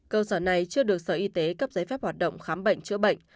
cơ sở này chưa được sở y tế cấp giấy phép hoạt động khám bệnh chữa bệnh